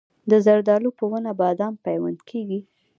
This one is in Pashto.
د زردالو په ونه بادام پیوند کیږي؟